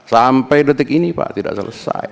sampai detik ini pak tidak selesai